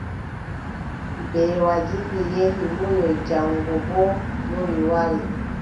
Mbeewa dilli, yehi munyoy, jaŋgo boo lori wari.